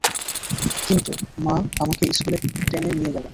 কিন্তু মা আমাকে স্কুলে টেনে নিয়ে এলো।